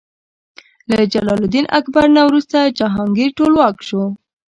له جلال الدین اکبر نه وروسته جهانګیر ټولواک شو.